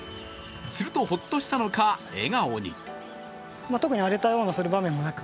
するとホッとしたのか笑顔に。